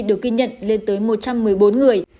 được ghi nhận lên tới một trăm một mươi bốn người